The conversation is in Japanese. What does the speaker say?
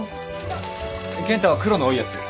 ケン太は黒の多いやつ。